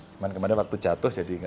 cuman kemarin waktu jatuh jadi